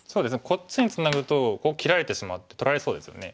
こっちにツナぐとここ切られてしまって取られそうですよね。